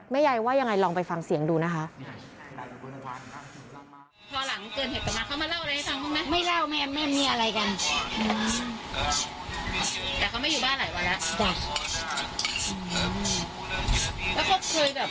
ยายว่ายังไงลองไปฟังเสียงดูนะคะ